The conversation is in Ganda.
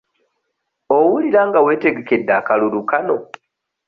Owulira nga weetegekedde akalulu kano?